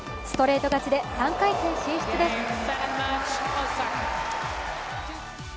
ストレート勝ちで３回戦進出です。